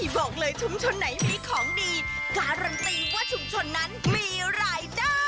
บอกเลยชุมชนไหนมีของดีการันตีว่าชุมชนนั้นมีรายได้